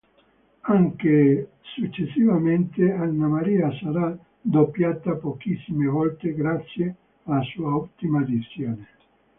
Anche successivamente, Anna Maria sarà doppiata pochissime volte, grazie alla sua ottima dizione.